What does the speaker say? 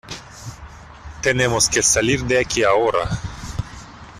Tenemos que salir de aquí ahora.